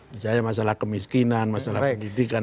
misalnya masalah kemiskinan masalah pendidikan